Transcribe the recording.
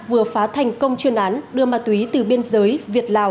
vừa phá thành công chuyên án đưa ma túy từ biên giới việt lào